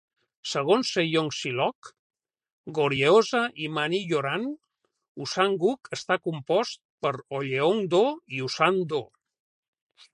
Segons Sejong Sillok, Goryeosa i Mangi Yoram, Usan-guk està compost per Ulleung-do i Usan-do.